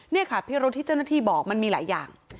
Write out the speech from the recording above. นี่ค่ะพิรุษที่เจ้าหน้าที่บอกมันมีหลายอย่าง